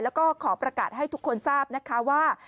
แล้วก็ขอประกาศให้ทุกคนทราบนะคะว่า